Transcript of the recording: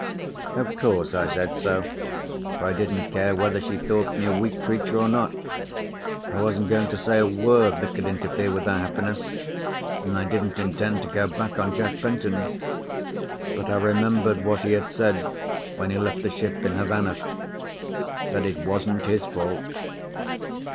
Of course I said so, for I didn't care whether she thought me a weak creature or not. I wasn't going to say a word that could interfere with her happiness, and I didn't intend to go back on Jack Benton; but I remembered what he had said when he left the ship in Havana: that it wasn't his fault.